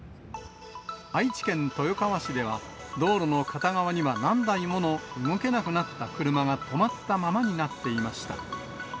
愛知県豊川市では、道路の片側には何台もの動けなくなった車が止まったままになっていました。